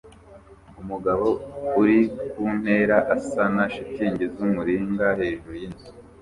Umugabo uri ku ntera asana shitingi z'umuringa hejuru y'inzu